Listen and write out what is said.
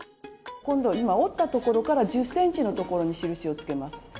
今度今折ったところから１０ｃｍのところに印をつけます。